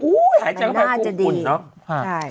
อู้ยหายใจก็แปลกลุ่มกุ่นเนอะใช่